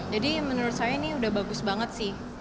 jadi menurut saya ini udah bagus banget sih